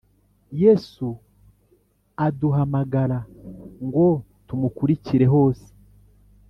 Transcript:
Yesu araduhamazgara ngo tumukurikire hose